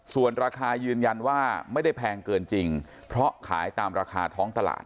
ส่วนราคายืนยันว่าไม่ได้แพงเกินจริงเพราะขายตามราคาท้องตลาด